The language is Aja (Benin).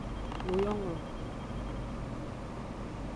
Nuyonglo.